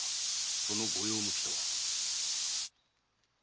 そのご用向きとは？